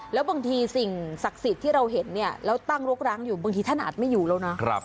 แล้วบางทีสิ่งศักดิ์สิทธิ์ที่เราเห็นเนี่ยแล้วตั้งรกร้างอยู่บางทีท่านอาจไม่อยู่แล้วนะ